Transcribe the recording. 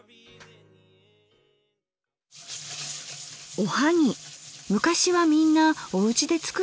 おはぎ昔はみんなおうちでつくってたんですよね。